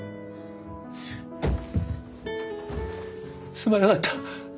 すまなかった。